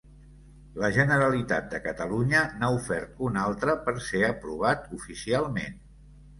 La Generalitat de Catalunya n'ha ofert un altre per ser aprovat oficialment.